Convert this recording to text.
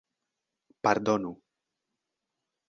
pardonu